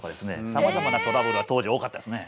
さまざまなトラブルは当時多かったですね。